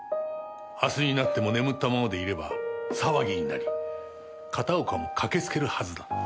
明日になっても眠ったままでいれば騒ぎになり片岡も駆けつけるはずだと。